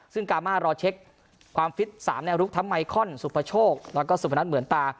ซึ่งกามารอเช็คความฟิต๓แนวลุกทั้งไมคอนสุภโชคแล้วก็สุพนัทเหมือนตา